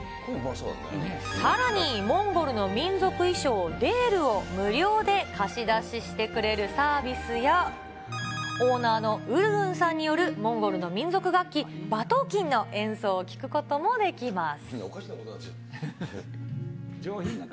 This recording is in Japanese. さらに、モンゴルの民族衣装、デールを無料で貸し出ししてくれるサービスや、オーナーのウルグンさんによるモンゴルの民族楽器、馬頭琴の演奏を聴くこともできます。